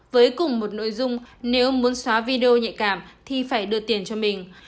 với cùng một nội dung nếu muốn xóa video nhạy cảm thì phải đưa tiền cho mình